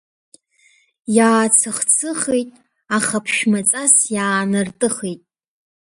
Иаацых-цыхит, аха ԥшәмаҵас иаанартыхит.